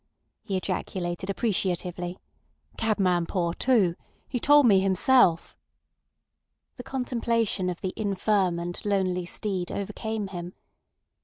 he ejaculated appreciatively. "Cabman poor too. He told me himself." The contemplation of the infirm and lonely steed overcame him.